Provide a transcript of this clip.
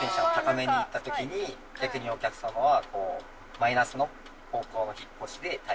逆にお客様は。